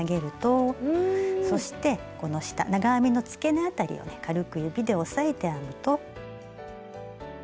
そしてこの下長編みの付け根あたりをね軽く指で押さえて編むと。